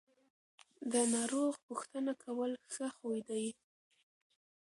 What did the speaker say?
د ناروغ پوښتنه کول ښه خوی دی.